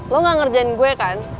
lo gak ngerjain gue kan